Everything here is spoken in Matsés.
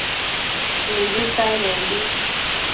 mibi cainenbi